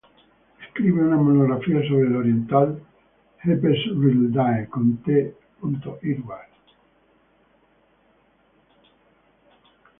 Escribe una monografía sobre la oriental "Hesperiidae" con T. Edwards.